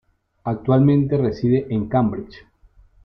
Actualmente reside en Cambridge.